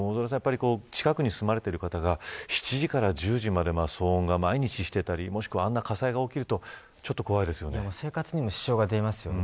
近くに住まれている方が７時から１０時まで騒音が毎日していたりもしくは、あんな火災が起きると生活にも支障が出ますよね。